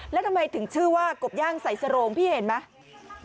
แล้วทำไมถึงชื่อว่ากบย่างใส่สโรงพี่เห็นไหม